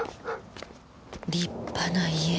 立派な家。